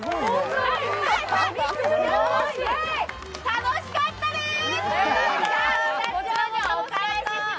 楽しかったです。